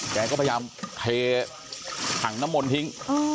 แกก็พยายามเทถังน้ำมนต์ทิ้ง